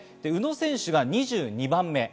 宇野選手が２２番目。